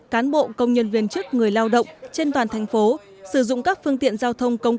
cán bộ công nhân viên chức người lao động trên toàn thành phố sử dụng các phương tiện giao thông công